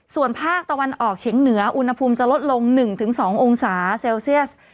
ส่วนภาคตะวันออกเฉียงเหนืออุณหภูมิจะลดลง๑๒องศาเซลเซียส